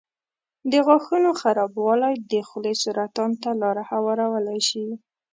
د غاښونو خرابوالی د خولې سرطان ته لاره هوارولی شي.